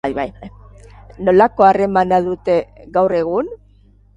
Nolako harremana dute gaur egun?